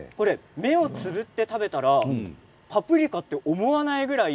目をつぶって食べたらパプリカと思わないぐらい。